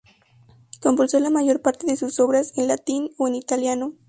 Compuso la mayor parte de sus obras en latín o en italiano.